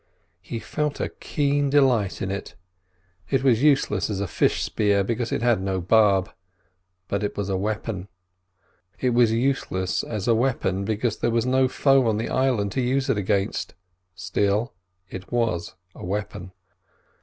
He felt a keen delight in it. It was useless as a fish spear, because it had no barb, but it was a weapon. It was useless as a weapon, because there was no foe on the island to use it against; still, it was a weapon.